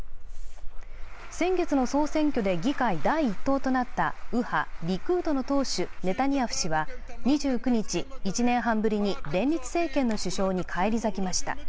先月の総選挙で議会第１党となった右派・リクードの党首ネタニヤフ氏は２９日、１年半ぶりに連立政権の首相に返り咲きました。